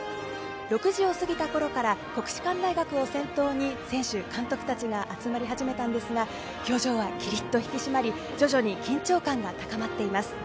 ６時を過ぎた頃から国士舘大学を先頭に選手、監督たちが集まり始めたんですが、表情はきりっと引き締まり、徐々に緊張感が高まっています。